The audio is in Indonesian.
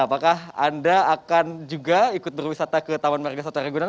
apakah anda akan juga ikut berwisata ke taman warga suat raya ragunan